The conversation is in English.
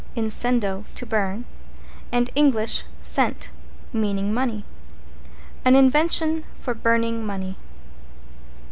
incendo, to burn, and Eng. cent, meaning money. An invention for burning money.